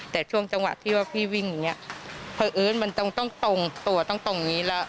แต่ช่วงจังหวะที่ว่าพี่วิ่งอย่างนี้เพราะเอิ้นมันต้องตรงตัวต้องตรงนี้แล้ว